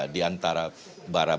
di antara barabat